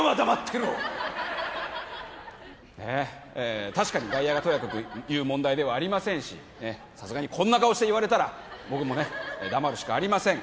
ねえ確かに外野がとやかく言う問題ではありませんしさすがにこんな顔して言われたら僕もね黙るしかありません